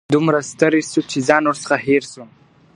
دومره ستړی سو چي ځان ورڅخه هېر سو .